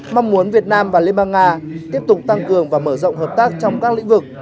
mong muốn việt nam và liên bang nga tiếp tục tăng cường và mở rộng hợp tác trong các lĩnh vực